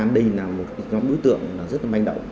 đây là một nhóm đối tượng rất là manh động